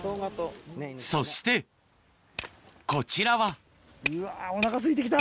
そしてこちらはうわお腹すいて来た。